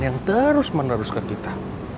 yang terus meneruskan kita